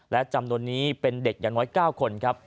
และจำนวนนี้เป็นเด็กอย่างน้อย๙คนครับ